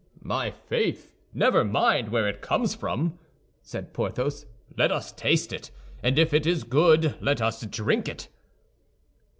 "My faith! never mind where it comes from," said Porthos, "let us taste it, and if it is good, let us drink it."